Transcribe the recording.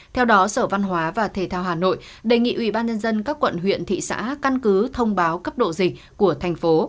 theo đó sở văn hóa và thể thao hà nội đề nghị ubnd các quận huyện thị xã căn cứ thông báo cấp độ dịch của thành phố